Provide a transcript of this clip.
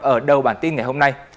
ở đầu bản tin ngày hôm nay